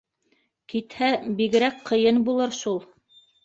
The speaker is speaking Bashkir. Китһә, бигерәк ҡыйын булыр шул.